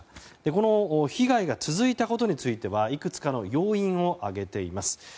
この被害が続いたことについてはいくつかの要因を挙げています。